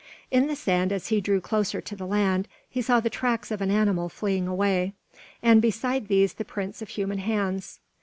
In the sand, as he drew closer to the land, he saw the tracks as of an animal fleeing away; and beside these the prints of human hands.